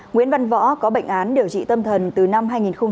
nguyễn văn võ có bệnh án điều trị tâm thần từ năm hai nghìn một mươi